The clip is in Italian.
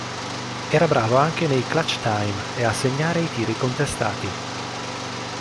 Era bravo anche nei clutch-time e a segnare i tiri contestati.